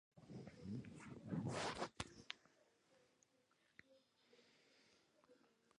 ამჟამად ძველი ბაზარი ეროვნული კულტურული ნაკრძალის სტატუსს ატარებს.